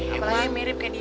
apalagi mirip kayak dia